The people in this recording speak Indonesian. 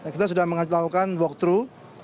kita sudah melakukan walkthrough